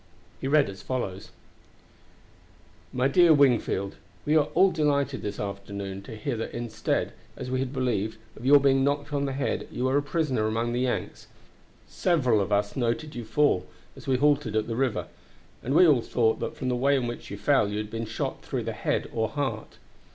He read as follows: "My Dear Wingfield. We are all delighted this afternoon to hear that instead, as we had believed, of your being knocked on the head you are a prisoner among the Yanks. Several of us noticed you fall just as we halted at the river, and we all thought that from the way in which you fell you had been shot through the head or heart.